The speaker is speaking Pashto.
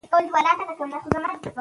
که مشوره وکړو نو پښیماني نه راځي.